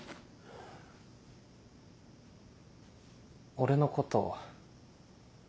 俺のこと。